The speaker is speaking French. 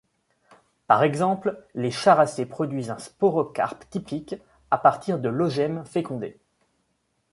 Par exemple, les Characées produisent un sporocarpe typique, à partir de l'oogemme fécondée.